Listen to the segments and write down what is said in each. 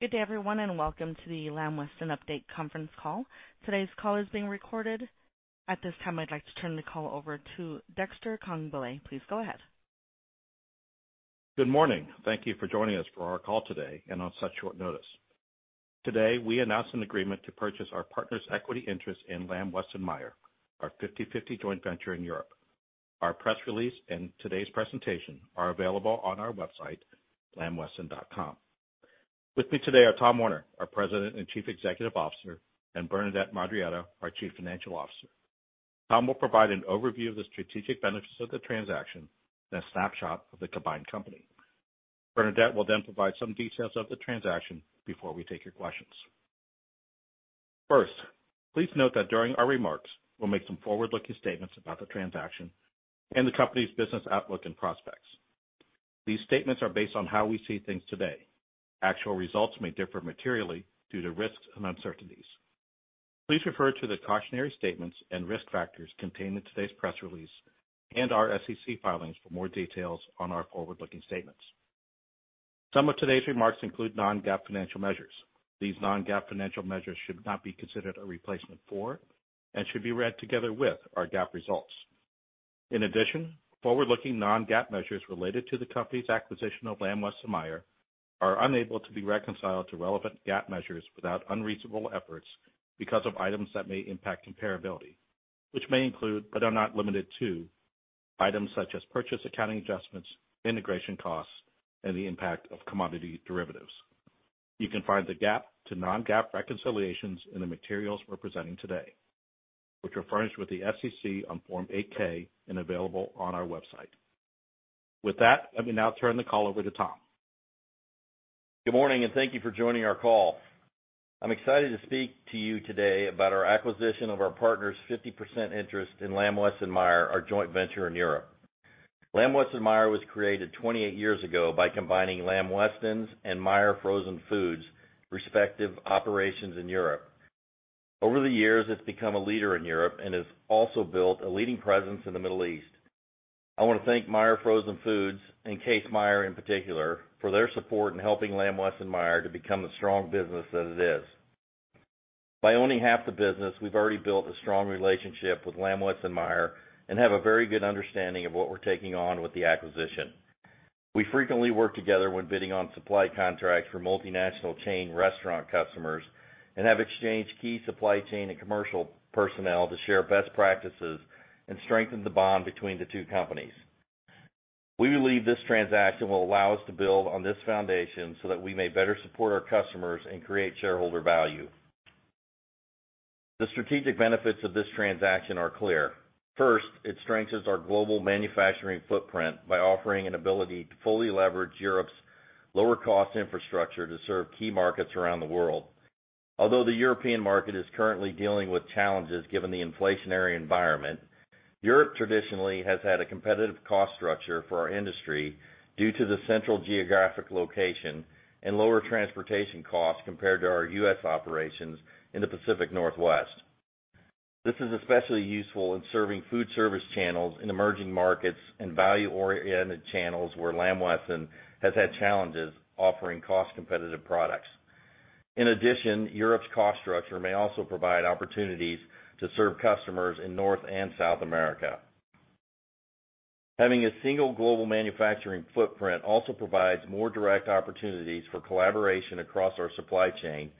Good day, everyone, and welcome to the Lamb Weston Update Conference Call. Today's call is being recorded. At this time, I'd like to turn the call over to Dexter Congbalay. Please go ahead Good morning. Thank you for joining us for our call today and on such short notice. Today, we announce an agreement to purchase our partner's equity interest in Lamb-Weston/Meijer, our 50/50 joint venture in Europe. Our press release and today's presentation are available on our website, lambweston.com. With me today are Tom Werner, our President and Chief Executive Officer, and Bernadette Madarieta, our Chief Financial Officer. Tom will provide an overview of the strategic benefits of the transaction and a snapshot of the combined company. Bernadette will then provide some details of the transaction before we take your questions. First, please note that during our remarks, we'll make some forward-looking statements about the transaction and the company's business outlook and prospects. These statements are based on how we see things today. Actual results may differ materially due to risks and uncertainties. Please refer to the cautionary statements and risk factors contained in today's press release and our SEC filings for more details on our forward-looking statements. Some of today's remarks include non-GAAP financial measures. These non-GAAP financial measures should not be considered a replacement for and should be read together with our GAAP results. In addition, forward-looking non-GAAP measures related to the company's acquisition of Lamb-Weston/Meijer are unable to be reconciled to relevant GAAP measures without unreasonable efforts because of items that may impact comparability, which may include but are not limited to items such as purchase accounting adjustments, integration costs, and the impact of commodity derivatives. You can find the GAAP to non-GAAP reconciliations in the materials we're presenting today, which are furnished with the SEC on Form 8-K and available on our website. With that, let me now turn the call over to Tom. Good morning, and thank you for joining our call. I'm excited to speak to you today about our acquisition of our partner's 50% interest in Lamb-Weston/Meijer, our joint venture in Europe. Lamb-Weston/Meijer was created 28 years ago by combining Lamb Weston's and Meijer Frozen Foods respective operations in Europe. Over the years, it's become a leader in Europe and has also built a leading presence in the Middle East. I wanna thank Meijer Frozen Foods and Kees Meijer, in particular, for their support in helping Lamb-Weston/Meijer to become the strong business that it is. By owning half the business, we've already built a strong relationship with Lamb-Weston/Meijer and have a very good understanding of what we're taking on with the acquisition. We frequently work together when bidding on supply contracts for multinational chain restaurant customers and have exchanged key supply chain and commercial personnel to share best practices and strengthen the bond between the two companies. We believe this transaction will allow us to build on this foundation so that we may better support our customers and create shareholder value. The strategic benefits of this transaction are clear. First, it strengthens our global manufacturing footprint by offering an ability to fully leverage Europe's lower cost infrastructure to serve key markets around the world. Although the European market is currently dealing with challenges given the inflationary environment, Europe traditionally has had a competitive cost structure for our industry due to the central geographic location and lower transportation costs compared to our U.S. operations in the Pacific Northwest. This is especially useful in serving food service channels in emerging markets and value-oriented channels where Lamb Weston has had challenges offering cost-competitive products. In addition, Europe's cost structure may also provide opportunities to serve customers in North and South America. Having a single global manufacturing footprint also provides more direct opportunities for collaboration across our supply chain,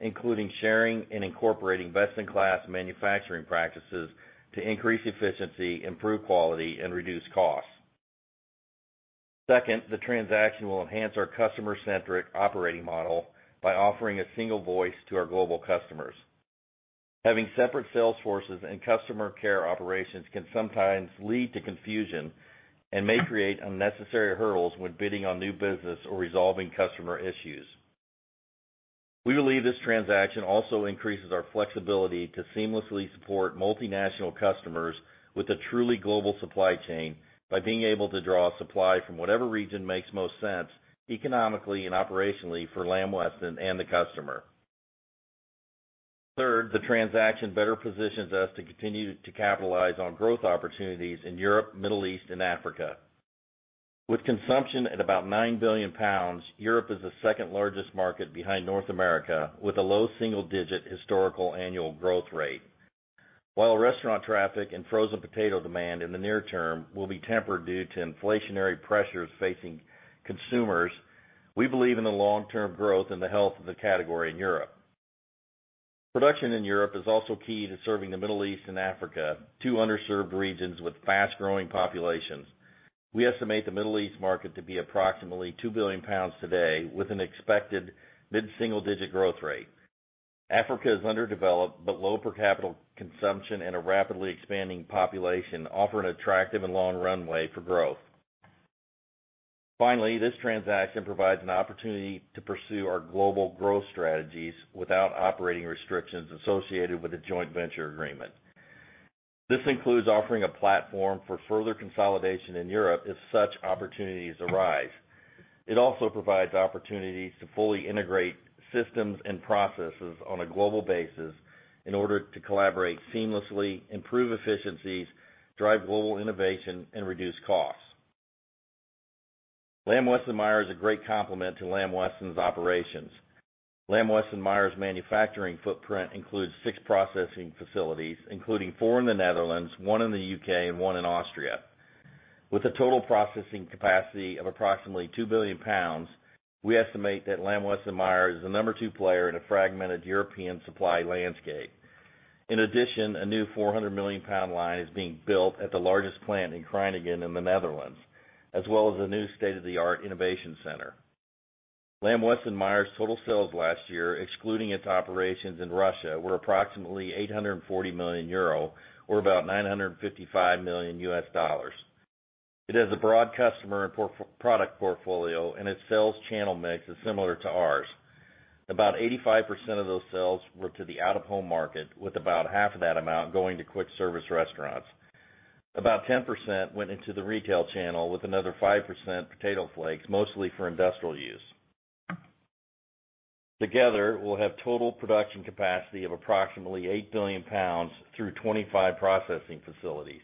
including sharing and incorporating best-in-class manufacturing practices to increase efficiency, improve quality, and reduce costs. Second, the transaction will enhance our customer-centric operating model by offering a single voice to our global customers. Having separate sales forces and customer care operations can sometimes lead to confusion and may create unnecessary hurdles when bidding on new business or resolving customer issues. We believe this transaction also increases our flexibility to seamlessly support multinational customers with a truly global supply chain by being able to draw supply from whatever region makes most sense economically and operationally for Lamb Weston and the customer. Third, the transaction better positions us to continue to capitalize on growth opportunities in Europe, Middle East, and Africa. With consumption at about 9 billion pounds, Europe is the second largest market behind North America, with a low single-digit% historical annual growth rate. While restaurant traffic and frozen potato demand in the near term will be tempered due to inflationary pressures facing consumers, we believe in the long-term growth and the health of the category in Europe. Production in Europe is also key to serving the Middle East and Africa, two underserved regions with fast-growing populations. We estimate the Middle East market to be approximately 2 billion pounds today with an expected mid-single-digit growth rate. Africa is underdeveloped, but low per capita consumption and a rapidly expanding population offer an attractive and long runway for growth. Finally, this transaction provides an opportunity to pursue our global growth strategies without operating restrictions associated with a joint venture agreement. This includes offering a platform for further consolidation in Europe if such opportunities arise. It also provides opportunities to fully integrate systems and processes on a global basis in order to collaborate seamlessly, improve efficiencies, drive global innovation, and reduce costs. Lamb-Weston/Meijer is a great complement to Lamb Weston's operations. Lamb-Weston/Meijer's manufacturing footprint includes six processing facilities, including four in the Netherlands, one in the UK, and one in Austria. With a total processing capacity of approximately 2 billion pounds, we estimate that Lamb-Weston/Meijer is the number two player in a fragmented European supply landscape. In addition, a new 400 million pound line is being built at the largest plant in Kruiningen in the Netherlands, as well as a new state-of-the-art innovation center. Lamb-Weston/Meijer's total sales last year, excluding its operations in Russia, were approximately 840 million euro, or about $955 million. It has a broad customer and product portfolio, and its sales channel mix is similar to ours. About 85% of those sales were to the out-of-home market, with about half of that amount going to quick service restaurants. About 10% went into the retail channel, with another 5% potato flakes, mostly for industrial use. Together, we'll have total production capacity of approximately 8 billion pounds through 25 processing facilities.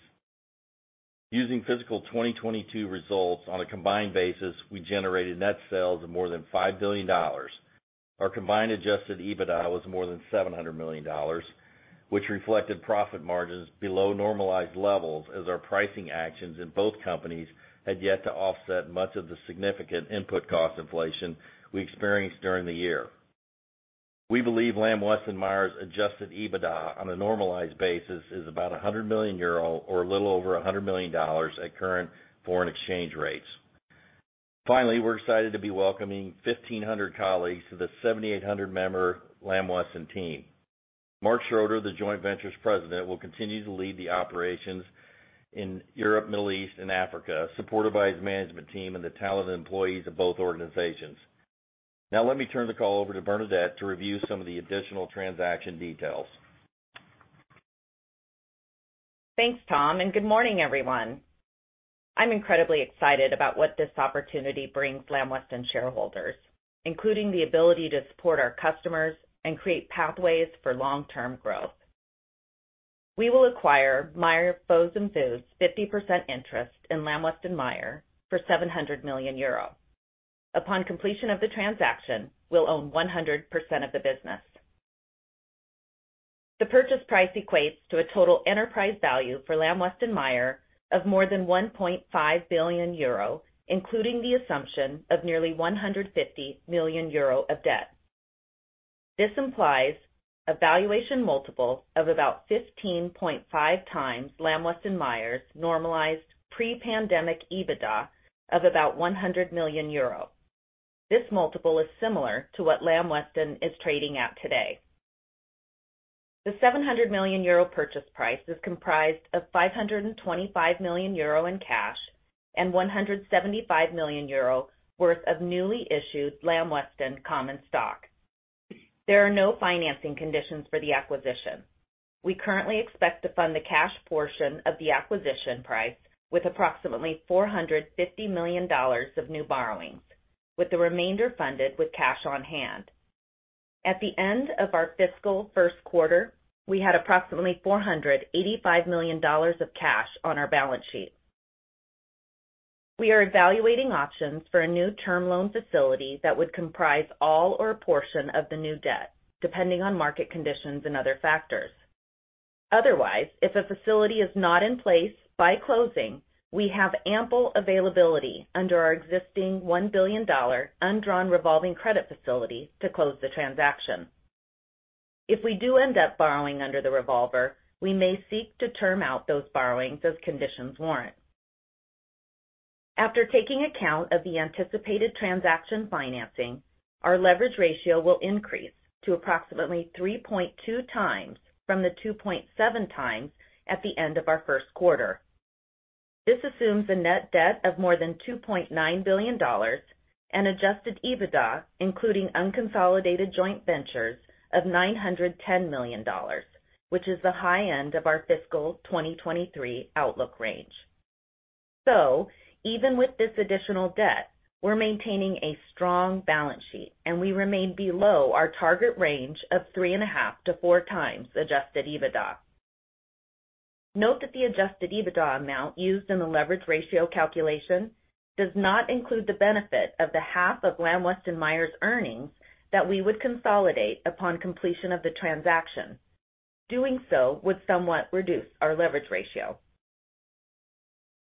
Using fiscal 2022 results on a combined basis, we generated net sales of more than $5 billion. Our combined adjusted EBITDA was more than $700 million, which reflected profit margins below normalized levels as our pricing actions in both companies had yet to offset much of the significant input cost inflation we experienced during the year. We believe Lamb-Weston/Meijer's adjusted EBITDA on a normalized basis is about 100 million euro or a little over $100 million at current foreign exchange rates. Finally, we're excited to be welcoming 1,500 colleagues to the 7,800-member Lamb Weston team. Marc Schroeder, the joint venture's president, will continue to lead the operations in Europe, Middle East, and Africa, supported by his management team and the talented employees of both organizations. Now let me turn the call over to Bernadette to review some of the additional transaction details. Thanks, Tom, and good morning, everyone. I'm incredibly excited about what this opportunity brings Lamb Weston shareholders, including the ability to support our customers and create pathways for long-term growth. We will acquire Meijer Frozen Foods 50% interest in Lamb-Weston/Meijer for 700 million euro. Upon completion of the transaction, we'll own 100% of the business. The purchase price equates to a total enterprise value for Lamb-Weston/Meijer of more than 1.5 billion euro, including the assumption of nearly 150 million euro of debt. This implies a valuation multiple of about 15.5x Lamb-Weston/Meijer's normalized pre-pandemic EBITDA of about 100 million euro. This multiple is similar to what Lamb Weston is trading at today. The 700 million euro purchase price is comprised of 525 million euro in cash and 175 million euro worth of newly issued Lamb Weston common stock. There are no financing conditions for the acquisition. We currently expect to fund the cash portion of the acquisition price with approximately $450 million of new borrowings, with the remainder funded with cash on hand. At the end of our fiscal first quarter, we had approximately $485 million of cash on our balance sheet. We are evaluating options for a new term loan facility that would comprise all or a portion of the new debt, depending on market conditions and other factors. Otherwise, if a facility is not in place by closing, we have ample availability under our existing $1 billion undrawn revolving credit facility to close the transaction. If we do end up borrowing under the revolver, we may seek to term out those borrowings as conditions warrant. After taking account of the anticipated transaction financing, our leverage ratio will increase to approximately 3.2x from the 2.7x at the end of our first quarter. This assumes a net debt of more than $2.9 billion and adjusted EBITDA, including unconsolidated joint ventures of $910 million, which is the high end of our fiscal 2023 outlook range. Even with this additional debt, we're maintaining a strong balance sheet, and we remain below our target range of 3.5x-4x adjusted EBITDA. Note that the adjusted EBITDA amount used in the leverage ratio calculation does not include the benefit of the half of Lamb-Weston/Meijer's earnings that we would consolidate upon completion of the transaction. Doing so would somewhat reduce our leverage ratio.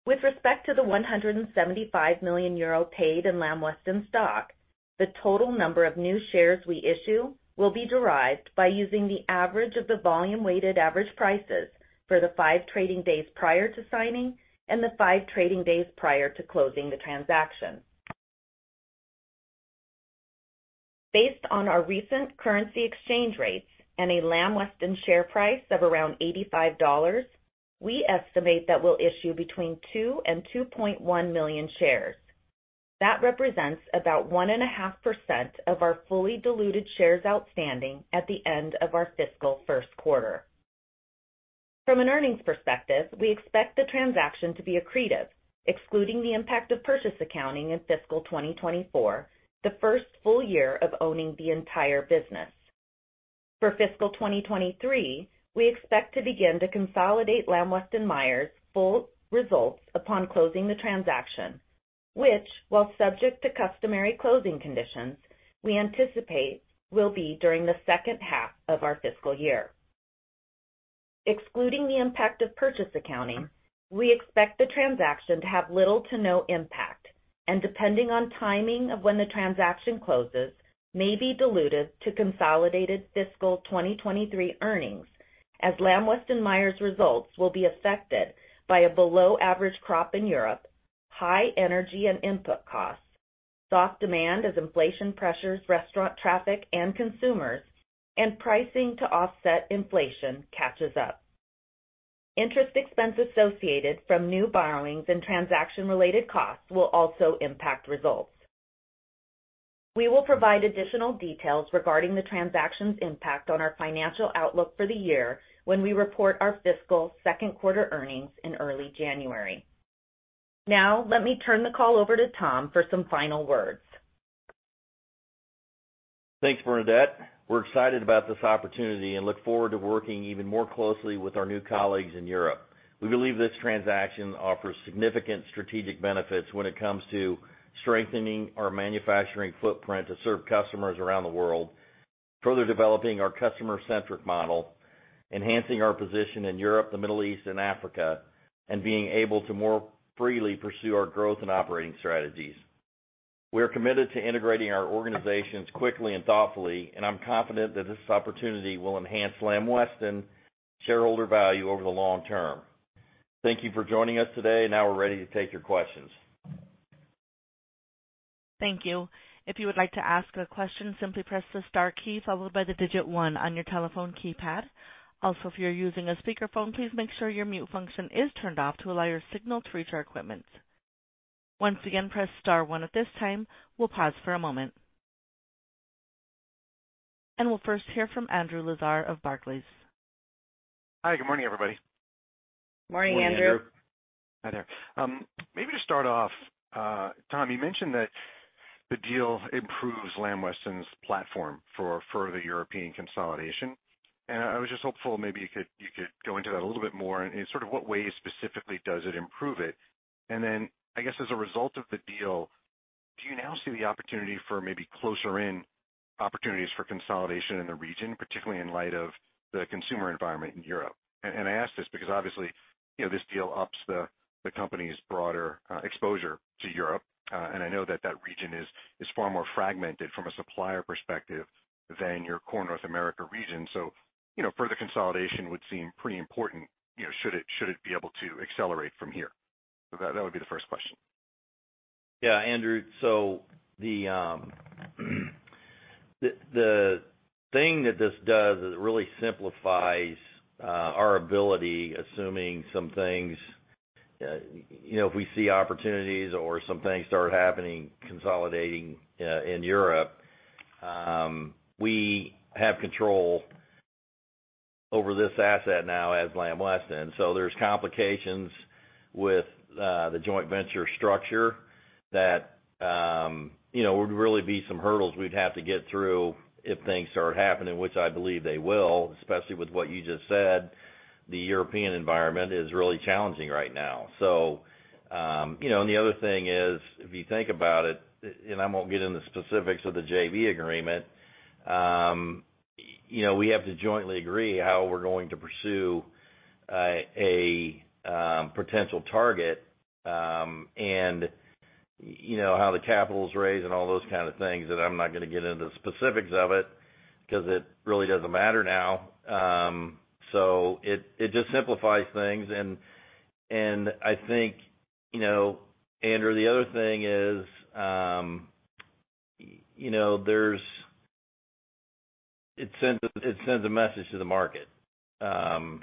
With respect to the 175 million euro paid in Lamb Weston stock, the total number of new shares we issue will be derived by using the average of the volume-weighted average prices for the five trading days prior to signing and the five trading days prior to closing the transaction. Based on our recent currency exchange rates and a Lamb Weston share price of around $85, we estimate that we'll issue between 2 and 2.1 million shares. That represents about 1.5% of our fully diluted shares outstanding at the end of our fiscal first quarter. From an earnings perspective, we expect the transaction to be accretive, excluding the impact of purchase accounting in fiscal 2024, the first full year of owning the entire business. For fiscal 2023, we expect to begin to consolidate Lamb-Weston/Meijer's full results upon closing the transaction, which, while subject to customary closing conditions, we anticipate will be during the second half of our fiscal year. Excluding the impact of purchase accounting, we expect the transaction to have little to no impact, and depending on timing of when the transaction closes, may be dilutive to consolidated fiscal 2023 earnings, as Lamb-Weston/Meijer's results will be affected by a below-average crop in Europe, high energy and input costs, soft demand as inflation pressures restaurant traffic and consumers, and pricing to offset inflation catches up. Interest expense associated from new borrowings and transaction-related costs will also impact results. We will provide additional details regarding the transaction's impact on our financial outlook for the year when we report our fiscal second quarter earnings in early January. Now, let me turn the call over to Tom for some final words. Thanks, Bernadette. We're excited about this opportunity and look forward to working even more closely with our new colleagues in Europe. We believe this transaction offers significant strategic benefits when it comes to strengthening our manufacturing footprint to serve customers around the world, further developing our customer-centric model, enhancing our position in Europe, the Middle East and Africa, and being able to more freely pursue our growth and operating strategies. We are committed to integrating our organizations quickly and thoughtfully, and I'm confident that this opportunity will enhance Lamb Weston shareholder value over the long term. Thank you for joining us today. Now we're ready to take your questions. Thank you. If you would like to ask a question, simply press the star key followed by the digit one on your telephone keypad. Also, if you're using a speakerphone, please make sure your mute function is turned off to allow your signal to reach our equipment. Once again, press star one at this time. We'll pause for a moment. We'll first hear from Andrew Lazar of Barclays. Hi. Good morning, everybody. Morning, Andrew. Morning, Andrew. Hi there. Maybe to start off, Tom, you mentioned that the deal improves Lamb Weston's platform for further European consolidation. I was just hopeful maybe you could go into that a little bit more in sort of what ways specifically does it improve it? I guess, as a result of the deal, do you now see the opportunity for maybe closer in opportunities for consolidation in the region, particularly in light of the consumer environment in Europe? I ask this because obviously, you know, this deal ups the company's broader exposure to Europe. I know that that region is far more fragmented from a supplier perspective than your core North America region. You know, further consolidation would seem pretty important, you know, should it be able to accelerate from here. That would be the first question. Yeah, Andrew. The thing that this does is it really simplifies our ability, assuming some things, you know, if we see opportunities or some things start happening, consolidating in Europe, we have control over this asset now as Lamb Weston. There's complications with the joint venture structure that you know would really be some hurdles we'd have to get through if things start happening, which I believe they will, especially with what you just said, the European environment is really challenging right now. You know, and the other thing is, if you think about it, and I won't get into the specifics of the JV agreement, you know, we have to jointly agree how we're going to pursue a potential target, and, you know, how the capital is raised and all those kind of things that I'm not gonna get into the specifics of it because it really doesn't matter now. It just simplifies things. And I think, you know, Andrew, the other thing is, you know, it sends a message to the market.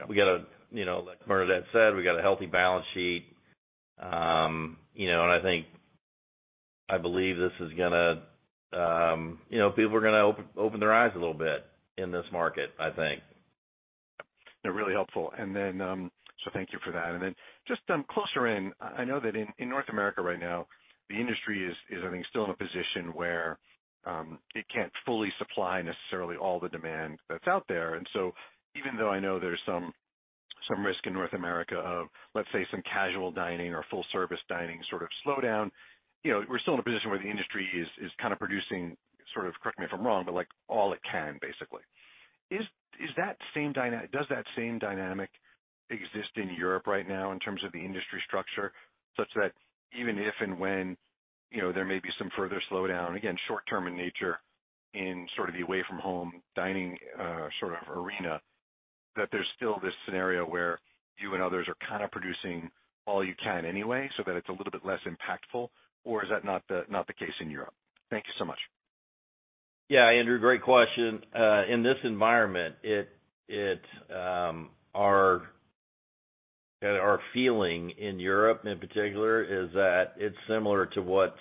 We got a, you know, like Bernadette said, we got a healthy balance sheet. You know, and I think I believe this is gonna, you know, people are gonna open their eyes a little bit in this market, I think. They're really helpful. Thank you for that. Closer in, I know that in North America right now, the industry is I think still in a position where it can't fully supply necessarily all the demand that's out there. Even though I know there's some risk in North America of, let's say, some casual dining or full-service dining sort of slowdown, you know, we're still in a position where the industry is kind of producing sort of, correct me if I'm wrong, but like all it can basically. Does that same dynamic exist in Europe right now in terms of the industry structure, such that even if and when, you know, there may be some further slowdown, again, short term in nature in sort of the away from home dining, sort of arena, that there's still this scenario where you and others are kind of producing all you can anyway so that it's a little bit less impactful? Or is that not the case in Europe? Thank you so much. Yeah, Andrew, great question. In this environment, our feeling in Europe in particular is that it's similar to what's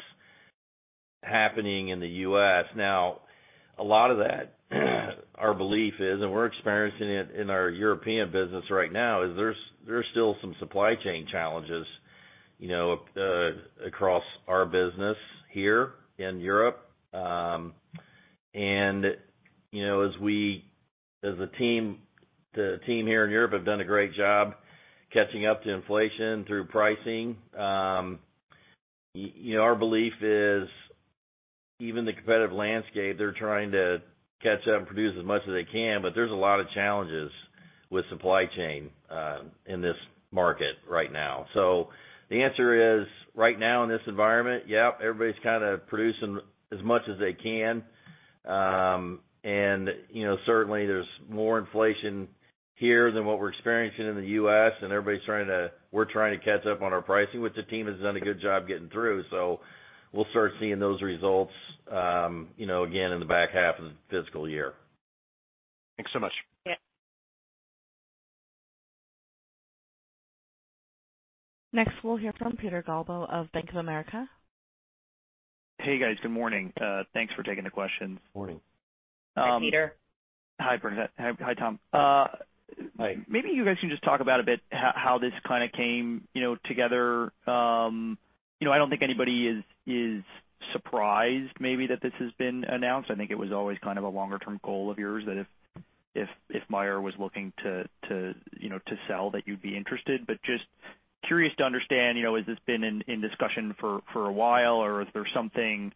happening in the US. Now, a lot of that, our belief is, and we're experiencing it in our European business right now, is there's still some supply chain challenges. You know, across our business here in Europe, and, you know, as a team, the team here in Europe have done a great job catching up to inflation through pricing. You know, our belief is even the competitive landscape, they're trying to catch up and produce as much as they can, but there's a lot of challenges with supply chain in this market right now. The answer is, right now in this environment, yep, everybody's kind of producing as much as they can. You know, certainly there's more inflation here than what we're experiencing in the U.S., and we're trying to catch up on our pricing, which the team has done a good job getting through. We'll start seeing those results, you know, again in the back half of the fiscal year. Thanks so much. Next, we'll hear from Peter Galbo of Bank of America. Hey, guys. Good morning. Thanks for taking the questions. Morning. Hi, Peter. Hi, Bernadette. Hi, Tom. Hi. Maybe you guys can just talk about a bit how this kind of came, you know, together. You know, I don't think anybody is surprised maybe that this has been announced. I think it was always kind of a longer-term goal of yours that if Meijer was looking to, you know, to sell, that you'd be interested. Just curious to understand, you know, has this been in discussion for a while or is there something,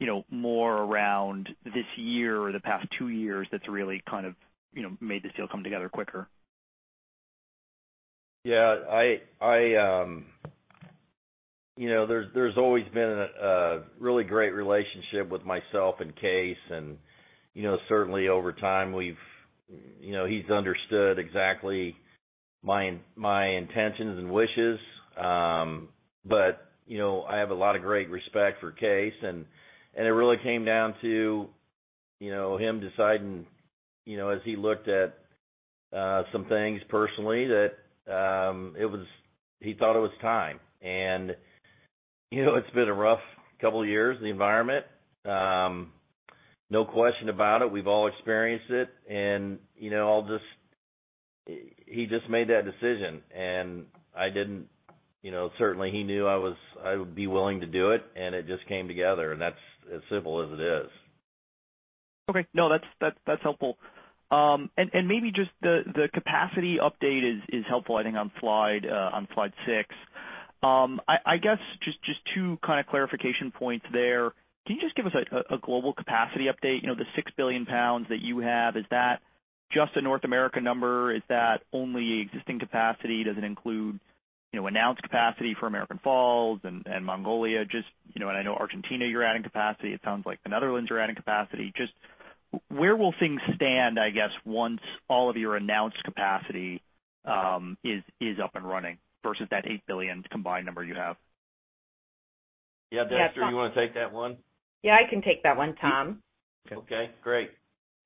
you know, more around this year or the past two years that's really kind of, you know, made this deal come together quicker? Yeah, I you know, there's always been a really great relationship with myself and Case and, you know, certainly over time we've, you know, he's understood exactly my intentions and wishes. You know, I have a lot of great respect for Case and it really came down to, you know, him deciding, you know, as he looked at some things personally that it was. He thought it was time. You know, it's been a rough couple of years, the environment. No question about it. We've all experienced it and, you know, he just made that decision. You know, certainly he knew I would be willing to do it, and it just came together. That's as simple as it is. Okay. No, that's helpful. Maybe just the capacity update is helpful, I think on slide 6. I guess just two kind of clarification points there. Can you just give us a global capacity update? You know, the 6 billion pounds that you have, is that just a North America number? Is that only existing capacity? Does it include, you know, announced capacity for American Falls and Mongolia? Just, you know, and I know Argentina, you're adding capacity. It sounds like Netherlands, you're adding capacity. Just where will things stand, I guess, once all of your announced capacity is up and running versus that 8 billion combined number you have? Yeah. Dexter, you want to take that one? Yeah, I can take that one, Tom. Okay, great.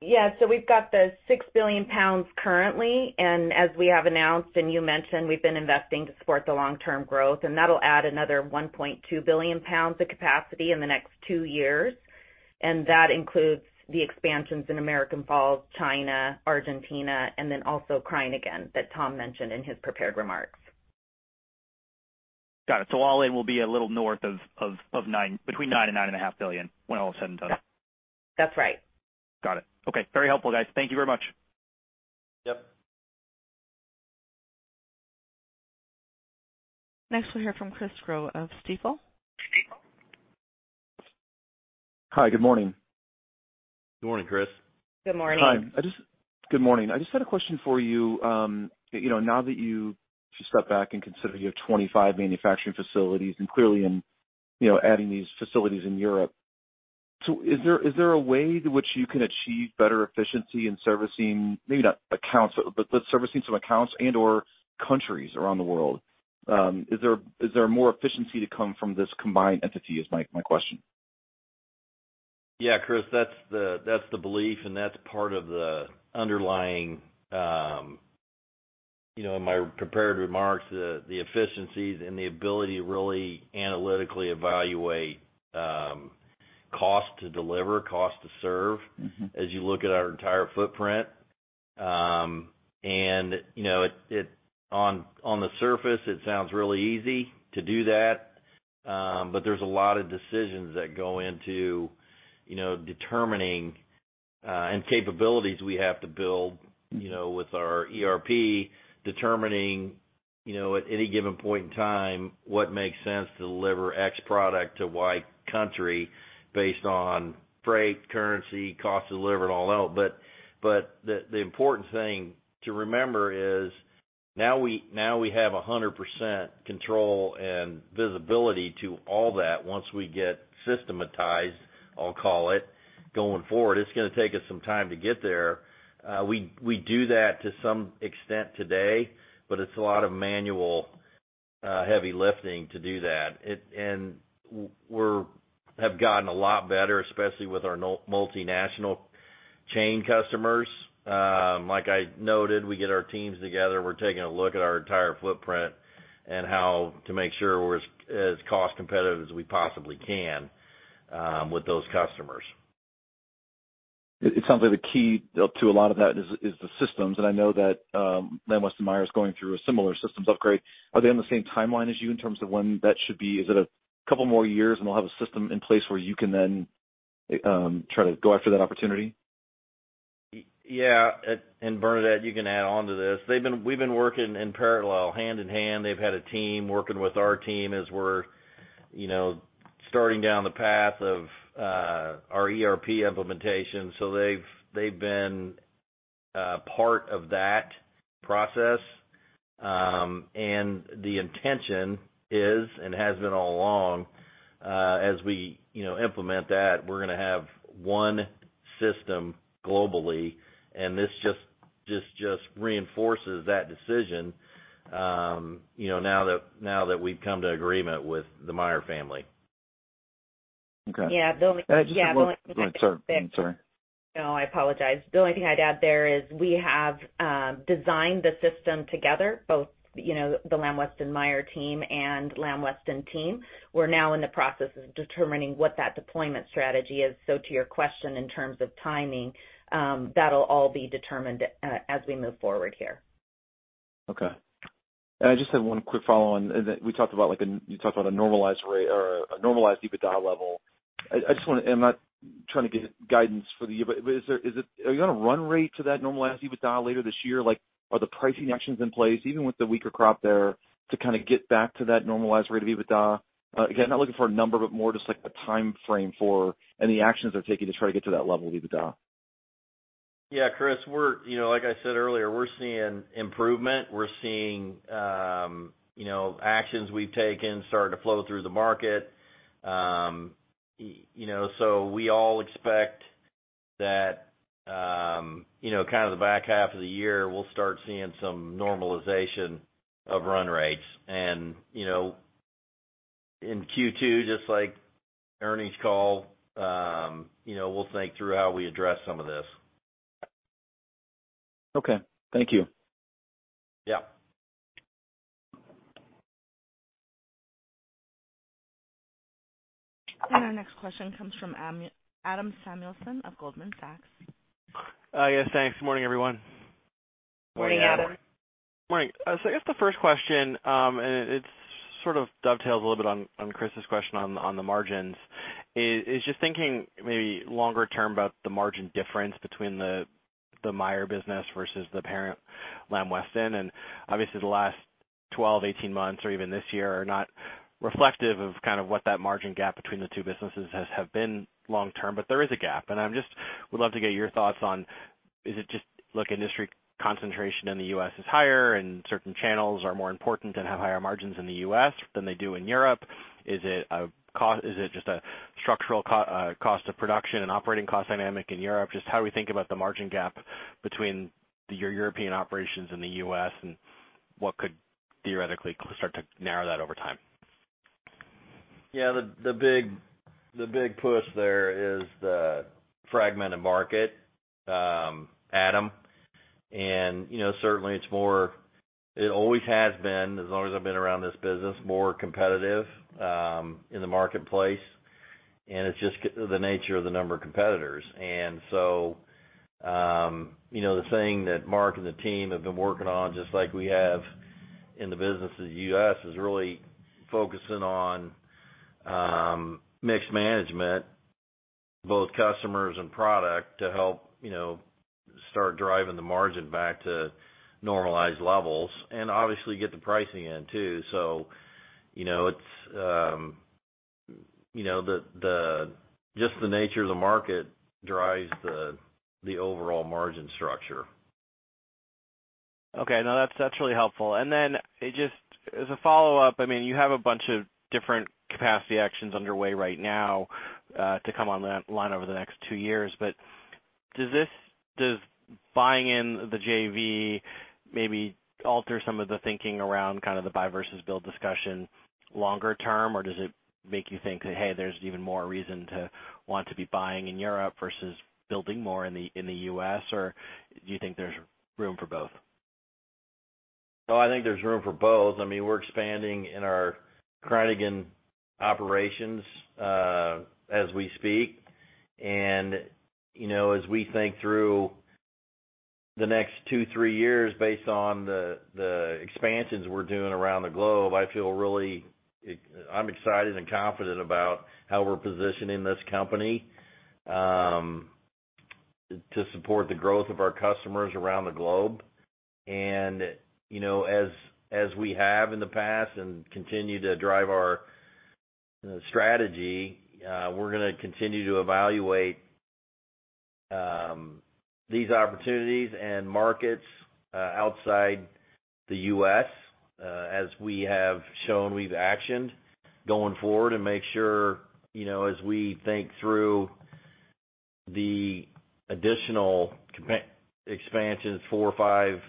Yeah. We've got the 6 billion pounds currently, and as we have announced, and you mentioned, we've been investing to support the long-term growth, and that'll add another 1.2 billion pounds of capacity in the next 2 years. That includes the expansions in American Falls, China, Argentina, and then also Kruiningen that Tom mentioned in his prepared remarks. Got it. All in will be a little north of $9 billion, between $9 billion and $9.5 billion when all is said and done. That's right. Got it. Okay. Very helpful, guys. Thank you very much. Yep. Next, we'll hear from Chris Growe of Stifel. Hi. Good morning. Good morning, Chris. Good morning. Good morning. I just had a question for you know, now that if you step back and consider you have 25 manufacturing facilities and clearly, you know, adding these facilities in Europe. Is there a way in which you can achieve better efficiency in servicing maybe not accounts, but servicing some accounts and/or countries around the world? Is there more efficiency to come from this combined entity? Is my question. Yeah, Chris. That's the belief, and that's part of the underlying, you know, in my prepared remarks, the efficiencies and the ability to really analytically evaluate, cost to deliver, cost to serve. Mm-hmm. As you look at our entire footprint. On the surface, it sounds really easy to do that, but there's a lot of decisions that go into, you know, determining and capabilities we have to build, you know, with our ERP, determining, you know, at any given point in time, what makes sense to deliver X product to Y country based on freight, currency, cost to deliver and all that. But the important thing to remember is now we have 100% control and visibility to all that once we get systematized, I'll call it, going forward. It's gonna take us some time to get there. We do that to some extent today, but it's a lot of manual heavy lifting to do that. We have gotten a lot better, especially with our multinational chain customers. Like I noted, we get our teams together, we're taking a look at our entire footprint and how to make sure we're as cost competitive as we possibly can, with those customers. It sounds like the key to a lot of that is the systems. I know that Lamb-Weston/Meijer is going through a similar systems upgrade. Are they on the same timeline as you in terms of when that should be? Is it a couple more years and they'll have a system in place where you can then try to go after that opportunity? Yeah, Bernadette, you can add on to this. We've been working in parallel, hand in hand. They've had a team working with our team as we're, you know, starting down the path of our ERP implementation. They've been part of that process. The intention is, and has been all along, as we, you know, implement that, we're gonna have one system globally, and this just reinforces that decision, you know, now that we've come to agreement with the Meijer family. Okay. Yeah. I just have one. Yeah. Go on. Sorry. I'm sorry. No, I apologize. The only thing I'd add there is we have designed the system together, both, you know, the Lamb-Weston/Meijer team and Lamb Weston team. We're now in the process of determining what that deployment strategy is. To your question in terms of timing, that'll all be determined as we move forward here. Okay. I just have one quick follow-on. We talked about you talked about a normalized EBITDA level. I just wanna. I'm not trying to get guidance for the year, but is there, is it. Are you on a run rate to that normalized EBITDA later this year? Like, are the pricing actions in place, even with the weaker crop there, to kind of get back to that normalized rate of EBITDA? Again, not looking for a number, but more just like a timeframe for any actions they're taking to try to get to that level of EBITDA. Yeah, Chris, like I said earlier, we're seeing improvement. We're seeing you know actions we've taken starting to flow through the market. you know, so we all expect that, you know, kind of the back half of the year, we'll start seeing some normalization of run rates. you know, in Q2, just like earnings call, you know, we'll think through how we address some of this. Okay. Thank you. Yeah. Our next question comes from Adam Samuelson of Goldman Sachs. Yes, thanks. Morning, everyone. Morning, Adam. Morning. Morning. So I guess the first question, and it sort of dovetails a little bit on Chris's question on the margins. It's just thinking maybe longer term about the margin difference between the Meijer business versus the parent Lamb Weston. Obviously the last 12 and 18 months or even this year are not reflective of kind of what that margin gap between the two businesses has been long term, but there is a gap. I just would love to get your thoughts on, is it just, look, industry concentration in the U.S. is higher and certain channels are more important and have higher margins in the U.S. than they do in Europe. Is it a cost? Is it just a structural cost of production and operating cost dynamic in Europe? Just how we think about the margin gap between your European operations and the U.S. and what could theoretically start to narrow that over time. Yeah, the big push there is the fragmented market, Adam. You know, certainly it's more, it always has been, as long as I've been around this business, more competitive in the marketplace, and it's just the nature of the number of competitors. You know, the thing that Mark and the team have been working on, just like we have in the business of the U.S., is really focusing on mix management, both customers and product, to help start driving the margin back to normalized levels and obviously get the pricing in too. You know, it's just the nature of the market drives the overall margin structure. Okay. No, that's really helpful. Then just as a follow-up, I mean, you have a bunch of different capacity actions underway right now, to come online over the next two years. Does buying in the JV maybe alter some of the thinking around kind of the buy versus build discussion longer term? Or does it make you think that, hey, there's even more reason to want to be buying in Europe versus building more in the US? Or do you think there's room for both? No, I think there's room for both. I mean, we're expanding in our Kruiningen operations as we speak. You know, as we think through the next two, three years based on the expansions we're doing around the globe, I feel really excited and confident about how we're positioning this company to support the growth of our customers around the globe. You know, as we have in the past and continue to drive our strategy, we're gonna continue to evaluate these opportunities and markets outside the U.S., as we have shown we've actioned going forward and make sure, you know, as we think through the additional capacity expansions four or five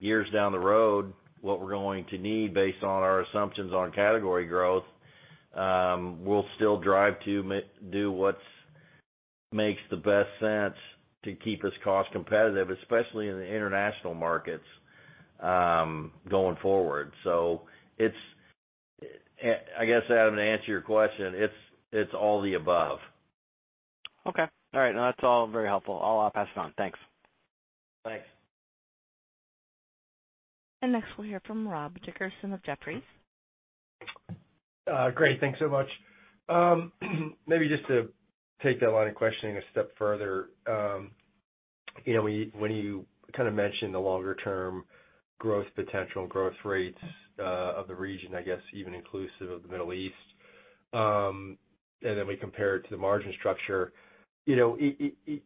years down the road, what we're going to need based on our assumptions on category growth, we'll still drive to do what makes the best sense to keep us cost competitive, especially in the international markets, going forward. It's, I guess, Adam, to answer your question, it's all the above. Okay. All right, no that's all very helpful. I'll pass it on. Thanks. Thanks. Next we'll hear from Rob Dickerson of Jefferies. Great. Thanks so much. Maybe just to take that line of questioning a step further, you know, when you kind of mentioned the longer term growth potential and growth rates of the region, I guess even inclusive of the Middle East, and then we compare it to the margin structure. You know, it is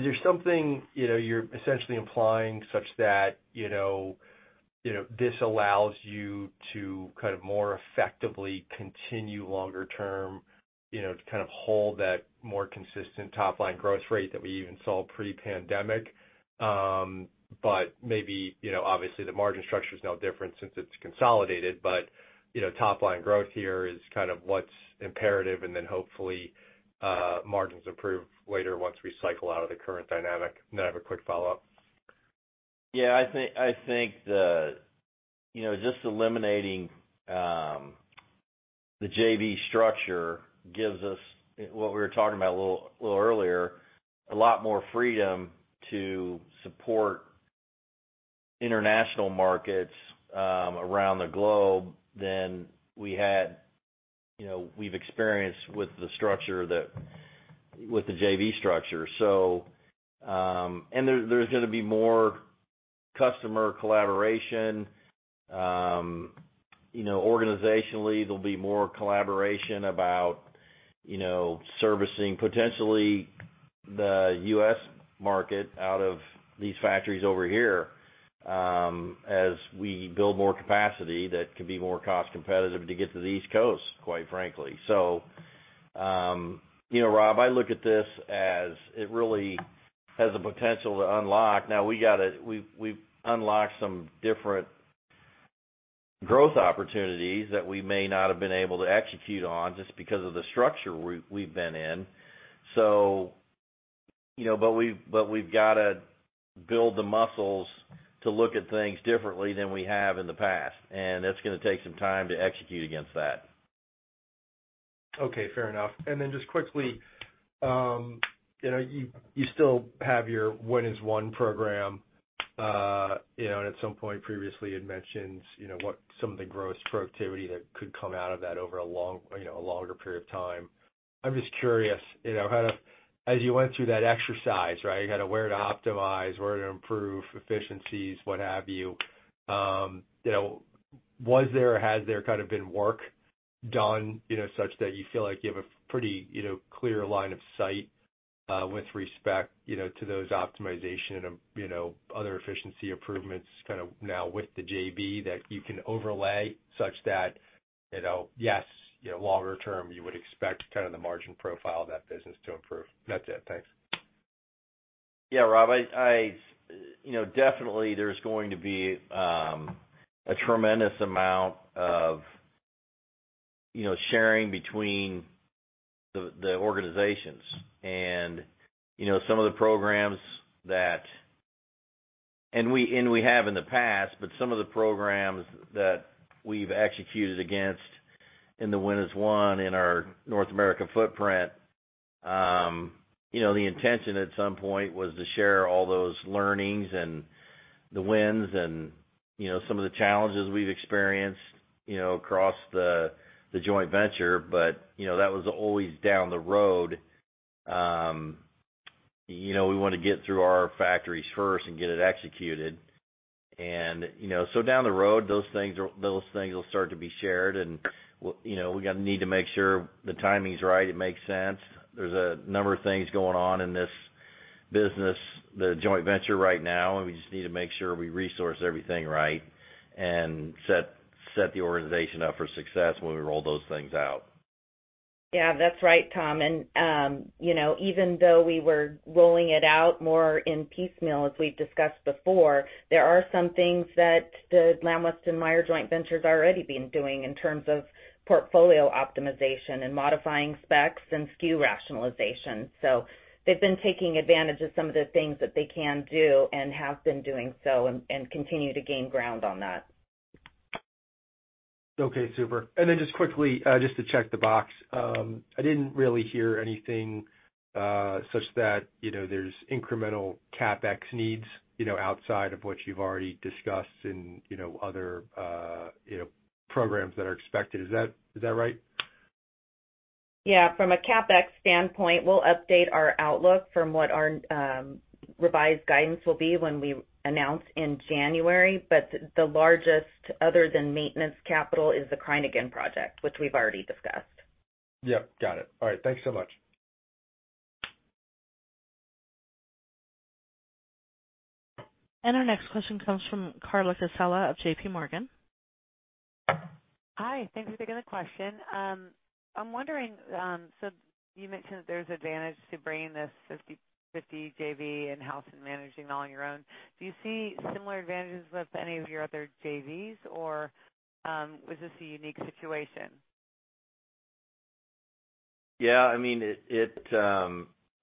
there something you're essentially implying such that, you know, this allows you to kind of more effectively continue longer term, you know, to kind of hold that more consistent top line growth rate that we even saw pre-pandemic. But maybe, you know, obviously the margin structure is no different since it's consolidated, but, you know, top line growth here is kind of what's imperative and then hopefully margins improve later once we cycle out of the current dynamic. I have a quick follow-up. I think the you know, just eliminating the JV structure gives us, what we were talking about a little earlier, a lot more freedom to support international markets around the globe than we had, you know, we've experienced with the structure with the JV structure. There, there's gonna be more customer collaboration. You know, organizationally, there'll be more collaboration about, you know, servicing potentially the U.S. market out of these factories over here as we build more capacity that can be more cost competitive to get to the East Coast, quite frankly. You know, Rob, I look at this as it really has the potential to unlock. Now we got to We've unlocked some different growth opportunities that we may not have been able to execute on just because of the structure we've been in. You know, but we've got to build the muscles to look at things differently than we have in the past, and it's gonna take some time to execute against that. Okay. Fair enough. Just quickly, you know, you still have your Win as One program. You know, and at some point previously you'd mentioned, you know, what some of the gross productivity that could come out of that over a long, you know, a longer period of time. I'm just curious, you know. As you went through that exercise, right? You kind of where to optimize, where to improve efficiencies, what have you. you know, was there or has there kind of been work done, you know, such that you feel like you have a pretty, you know, clear line of sight, with respect, you know, to those optimization and, you know, other efficiency improvements kind of now with the JV that you can overlay such that, you know, yes, you know, longer term, you would expect kind of the margin profile of that business to improve? That's it. Thanks. Yeah, Rob, you know, definitely there's going to be a tremendous amount of, you know, sharing between the organizations. You know, some of the programs and we have in the past, but some of the programs that we've executed against in the Win as One in our North America footprint, you know, the intention at some point was to share all those learnings and the wins and, you know, some of the challenges we've experienced, you know, across the joint venture. You know, that was always down the road. You know, we want to get through our factories first and get it executed. You know, down the road, those things will start to be shared. You know, we got to need to make sure the timing's right. It makes sense. There's a number of things going on in this business, the joint venture right now, and we just need to make sure we resource everything right and set the organization up for success when we roll those things out. Yeah, that's right, Tom. You know, even though we were rolling it out more in piecemeal, as we've discussed before, there are some things that the Lamb-Weston/Meijer joint venture's already been doing in terms of portfolio optimization and modifying specs and SKU rationalization. They've been taking advantage of some of the things that they can do and have been doing so and continue to gain ground on that. Okay, super. Just quickly, just to check the box, I didn't really hear anything such that, you know, there's incremental CapEx needs, you know, outside of what you've already discussed in, you know, other programs that are expected. Is that right? Yeah. From a CapEx standpoint, we'll update our outlook on what our revised guidance will be when we announce in January. The largest other than maintenance capital is the Kruiningen project, which we've already discussed. Yep, got it. All right. Thanks so much. Our next question comes from Carla Casella of JPMorgan. Hi. Thanks for taking the question. I'm wondering, so you mentioned that there's advantage to bringing this 50-50 JV in-house and managing it all on your own. Do you see similar advantages with any of your other JVs, or, was this a unique situation? Yeah, I mean, it.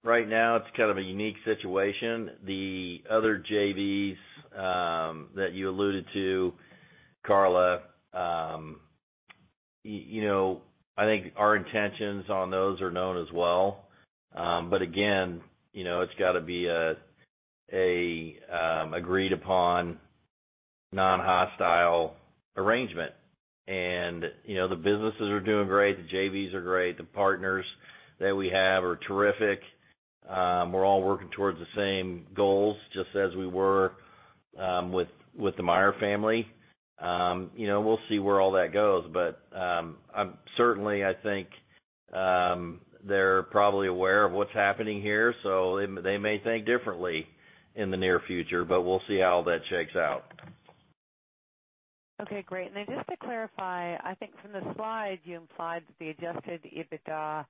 Right now it's kind of a unique situation. The other JVs that you alluded to, Carla, you know, I think our intentions on those are known as well. But again, you know, it's gotta be a agreed upon non-hostile arrangement. You know, the businesses are doing great, the JVs are great, the partners that we have are terrific. We're all working towards the same goals, just as we were with the Meijer family. You know, we'll see where all that goes. Certainly I think they're probably aware of what's happening here, so they may think differently in the near future, but we'll see how that shakes out. Okay, great. Then just to clarify, I think from the slide you implied that the adjusted EBITDA,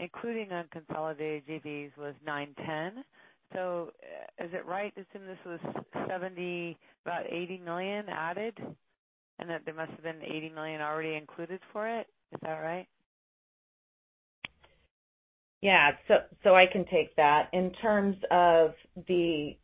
including unconsolidated JVs, was 910. Is it right to assume this was $70, about $80 million added, and that there must have been $80 million already included for it? Is that right? Yeah. I can take that. In terms of the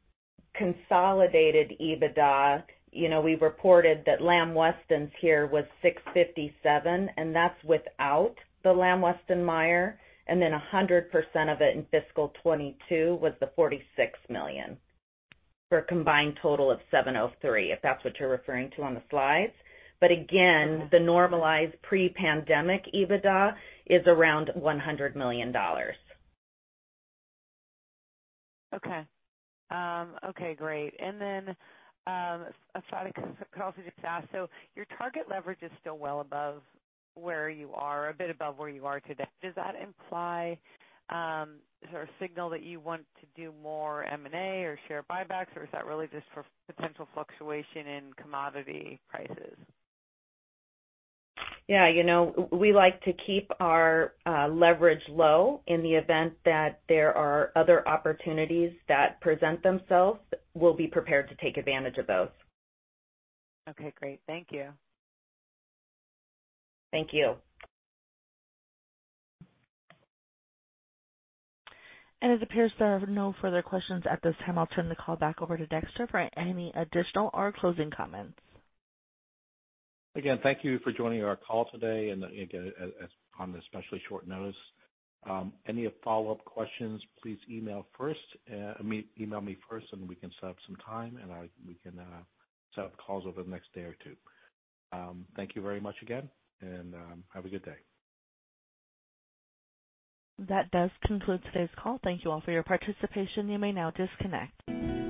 consolidated EBITDA, you know, we reported that Lamb Weston's was $657 million, and that's without the Lamb-Weston/Meijer. Then 100% of it in fiscal 2022 was the $46 million, for a combined total of 703, if that's what you're referring to on the slides. Again, the normalized pre-pandemic EBITDA is around $100 million. Okay, great. Then I started to can also just ask, so your target leverage is still well above where you are, a bit above where you are today. Does that imply? Is there a signal that you want to do more M&A or share buybacks, or is that really just for potential fluctuation in commodity prices? Yeah. You know, we like to keep our leverage low. In the event that there are other opportunities that present themselves, we'll be prepared to take advantage of those. Okay, great. Thank you. Thank you. It appears there are no further questions at this time. I'll turn the call back over to Dexter for any additional or closing comments. Again, thank you for joining our call today, as on especially short notice. Any follow-up questions, please email first. I mean, email me first and we can set up some time and we can set up calls over the next day or two. Thank you very much again, and have a good day. That does conclude today's call. Thank you all for your participation. You may now disconnect.